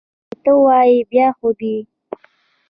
چې ته وایې، بیا خو دي!